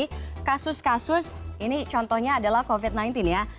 jadi kasus kasus ini contohnya adalah covid sembilan belas ya